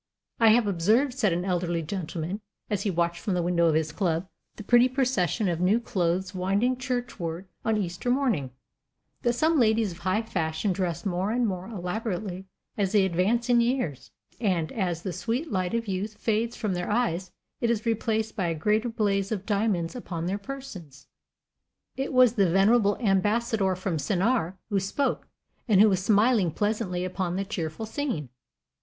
"I have observed," said an elderly gentleman, as he watched from the window of his club the pretty procession of new clothes winding churchward on Easter morning, "that some ladies of high fashion dress more and more elaborately as they advance in years, and as the sweet light of youth fades from their eyes it is replaced by a greater blaze of diamonds upon their persons." It was the venerable Ambassador from Sennaar who spoke, and who was smiling pleasantly upon the cheerful scene.